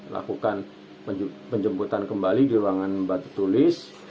lakukan penjemputan kembali di ruangan batu tulis